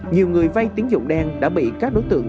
nhiều người vay tín dụng đen đã bị các đối tượng